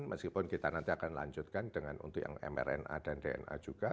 meskipun kita nanti akan lanjutkan dengan untuk yang mrna dan dna juga